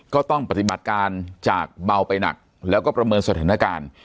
ก็ต้องปฏิบัติการจากเบาไปหนักแล้วก็ประเมินสถานการณ์